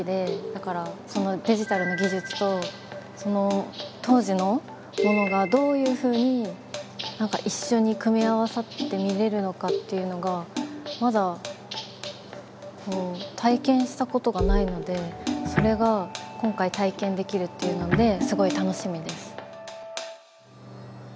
だから、デジタルの技術とその当時のものがどういうふうに一緒に組み合わさって見れるのかっていうのがまだ、体験したことがないのでそれが今回体験できるっていうのですごい楽しみです。